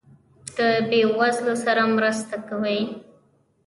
د بې وزلو سره مرسته کوئ؟